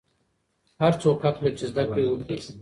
هر څوک حق لري چې زده کړې وکړي.